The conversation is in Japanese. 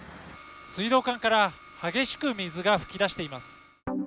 水道管から激しく水が噴き出しています。